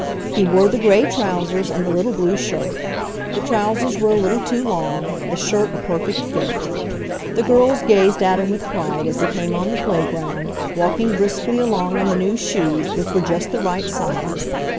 He wore the gray trousers and the little blue shirt; the trousers were a little too long, the shirt a perfect fit. The girls gazed at him with pride as he came on the playground, walking briskly along in the new shoes, which were just the right size.